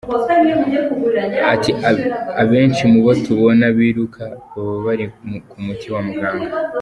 Ati "Abenshi mu bo tubona biruka baba bari ku muti wa muganga.